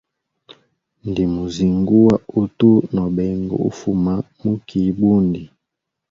Ndimuzinguwa utu no benga ufuma mu kii ibundi.